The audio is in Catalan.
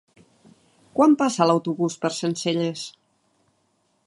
Quan passa l'autobús per Sencelles?